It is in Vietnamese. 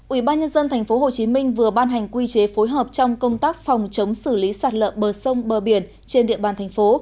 ủy ban nhân dân tp hcm vừa ban hành quy chế phối hợp trong công tác phòng chống xử lý sạt lỡ bờ sông bờ biển trên địa bàn thành phố